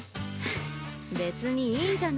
別にいいんじゃない？